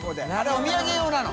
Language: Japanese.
△お土産用なの。